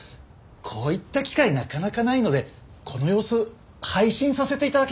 こういった機会なかなかないのでこの様子配信させて頂けませんか？